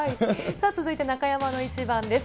続いて中山のイチバンです。